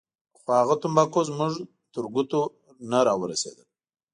خو هغه تمباکو زموږ تر ګوتو نه راورسېدل.